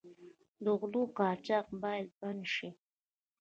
د غلو قاچاق باید بند شي.